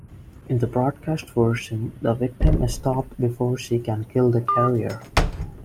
In the broadcast version, the victim is stopped before she can kill the carrier.